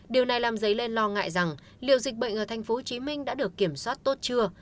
điều này làm dấy lên lo ngại rằng liệu dịch bệnh ở tp hcm đã được kiểm soát tốt chưa